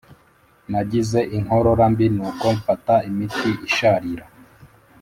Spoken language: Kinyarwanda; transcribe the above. nagize inkorora mbi, nuko mfata imiti isharira.